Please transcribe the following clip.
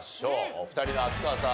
お二人目秋川さん